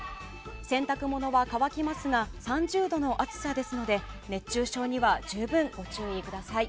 洗濯物は乾きますが３０度の暑さですので熱中症には十分ご注意ください。